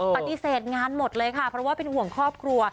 ปฏิเสธงานหมดเลยค่ะเพราะว่าเป็นห่วงครอบครัว